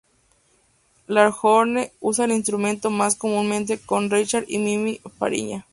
Langhorne usó el instrumento más comúnmente con Richard y Mimi Fariña.